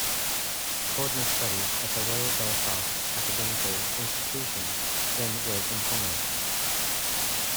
Cordner studied at the Royal Belfast Academical Institution, then worked in commerce.